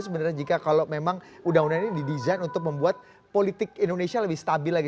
sebenarnya jika kalau memang undang undang ini didesain untuk membuat politik indonesia lebih stabil lagi